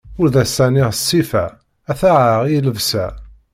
Ur d as-ɛniɣ ssifa, ad taɛer i lebsa.